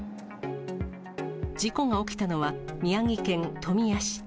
事故が起きたのは、宮城県富谷市。